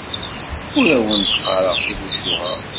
Ur awen-d-qqareɣ timucuha.